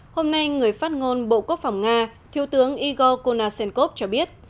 hôm nay người phát ngôn bộ quốc phòng nga thiếu tướng igor konashenkov cho biết